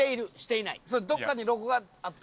どこかにロゴがあったら。